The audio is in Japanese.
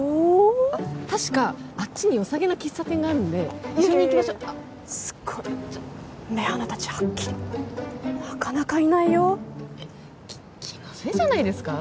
あっ確かあっちによさげな喫茶店があるので一緒に行きましょいやいやいやすっごい目鼻立ちはっきりなかなかいないよき気のせいじゃないですか？